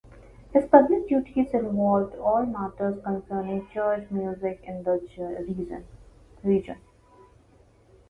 His public duties involved all matters concerning church music in the region.